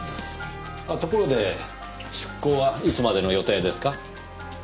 あっところで出向はいつまでの予定ですか？